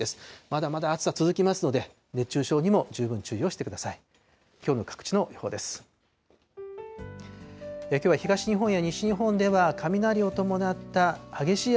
まだまだ暑さ続きますので、熱中症にも十分注意をしてください。